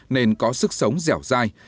nên có sức sống dẻo dai